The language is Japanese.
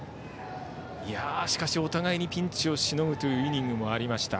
しかしお互いにピンチをしのぐイニングもありました。